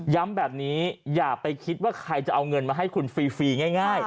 แบบนี้อย่าไปคิดว่าใครจะเอาเงินมาให้คุณฟรีง่าย